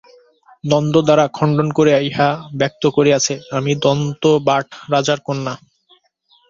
দন্ত দ্বারা খণ্ডন করিয়া ইহা ব্যক্ত করিয়াছে আমি দন্তবাট রাজার কন্যা।